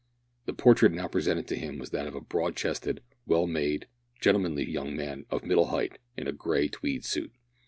The portrait now presented to him was that of a broad chested, well made, gentlemanly young man of middle height, in a grey Tweed suit.